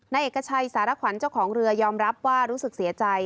เอกชัยสารขวัญเจ้าของเรือยอมรับว่ารู้สึกเสียใจ